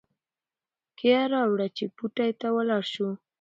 کیه راوړه چې بوټي ته ولاړ شو.